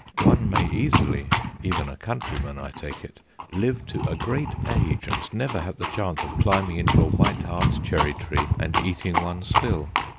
One may easily, even a countryman, I take it, live to a great age and never have the chance of climbing into a white heart cherry tree and eating one's fill.